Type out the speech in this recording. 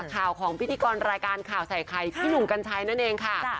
ข่าวของพิธีกรรายการข่าวใส่ไข่พี่หนุ่มกัญชัยนั่นเองค่ะ